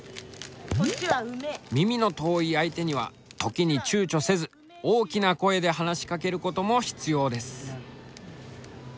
耳の遠い相手には時にちゅうちょせず大きな声で話しかけることも必要です。